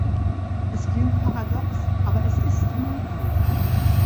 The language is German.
Es klingt paradox, aber es ist möglich.